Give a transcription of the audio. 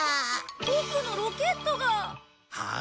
ボクのロケットが。はあ？